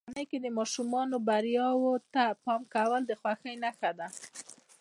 په کورنۍ کې د ماشومانو بریاوو ته پام کول د خوښۍ نښه ده.